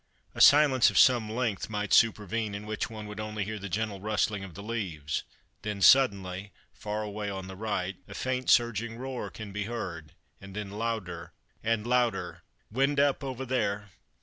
A silence of some length might supervene, in which one would only hear the gentle rustling of the leaves; then suddenly, far away on the right, a faint surging roar can be heard, and then louder and louder. "Wind up over there."